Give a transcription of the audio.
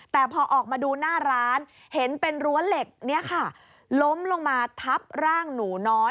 แต่พอออกมาดูหน้าร้านเห็นเป็นรั้วเหล็กเนี่ยค่ะล้มลงมาทับร่างหนูน้อย